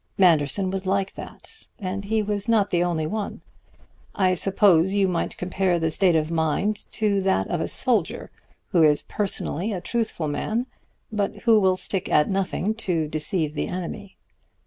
Manderson was like that, and he was not the only one. I suppose you might compare the state of mind to that of a soldier who is personally a truthful man, but who will stick at nothing to deceive the enemy.